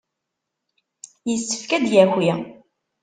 Yessefk ad d-yaki.